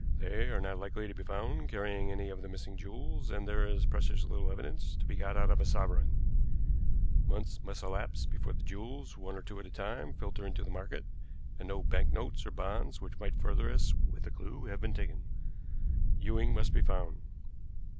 They are not likely to be found carrying any of the missing jewels, and there is precious little evidence to be got out of a sovereign. Months must elapse before the jewels, one or two at a time, filter into the market, and no banknotes or bonds which might further us with a clew have been taken. Ewing must be found."